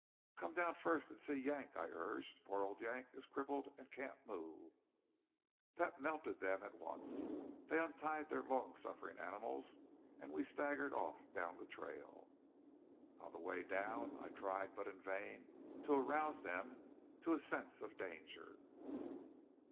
"Come down first and see Yank," I urged. "Poor old Yank is crippled and can't move." That melted them at once. They untied their long suffering animals, and we staggered off down the trail. On the way down I tried, but in vain, to arouse them to a sense of danger.